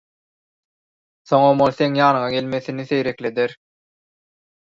Soňam ol seň ýanyňa gelmesini seýrekleder.